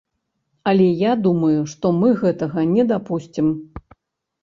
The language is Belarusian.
Але я думаю, што мы гэтага не дапусцім.